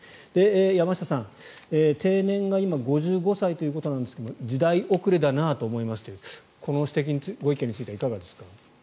山下さん、定年が今、５５歳ということなんですが時代遅れだなと思いますというこの指摘、ご意見についてはいかがですか？